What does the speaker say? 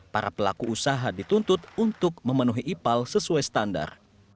para pelaku usaha dituntut untuk memenuhi ipal sesuai standar